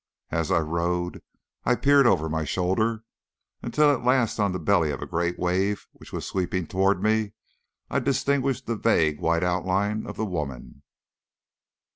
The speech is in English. As I rowed I peered over my shoulder, until at last on the belly of a great wave which was sweeping towards me I distinguished the vague white outline of the woman.